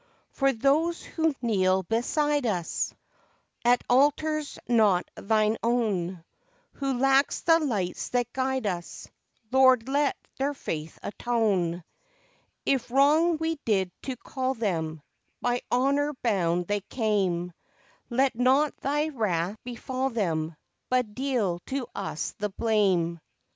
For those who kneel beside us At altars not Thine own, Who lack the lights that guide us, Lord, let their faith atone; If wrong we did to call them, By honour bound they came; Let not Thy wrath befall them, But deal to us the blame.